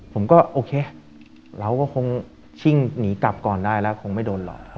ผมก็โอเคเราก็คงชิ่งหนีกลับก่อนได้แล้วคงไม่โดนหลอก